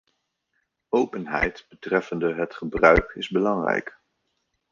Openheid betreffende het gebruik is belangrijk.